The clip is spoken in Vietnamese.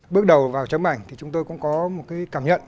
bước đầu vào chấm ảnh thì chúng tôi cũng có một cái cảm nhận